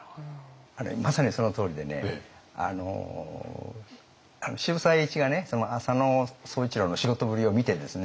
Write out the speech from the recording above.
まさにそのとおりでね渋沢栄一が浅野総一郎の仕事ぶりを見てですね